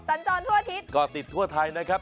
สัญจรทั่วอาทิตย์ก็ติดทั่วไทยนะครับ